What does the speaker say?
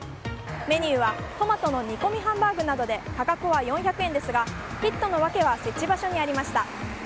メニューはトマトの煮込みハンバーグなどで価格は４００円ですがヒットの訳は設置場所にありました。